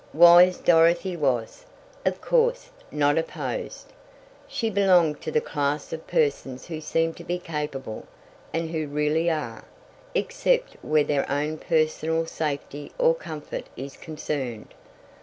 Wise Dorothy was, of course, not opposed. She belonged to the class of persons who seem to be capable, and who really are, except where their own personal safety or comfort is concerned.